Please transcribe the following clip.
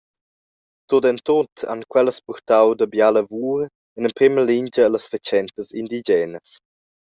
Tut en tut han quellas purtau dabia lavur, en emprema lingia allas fatschentas indigenas.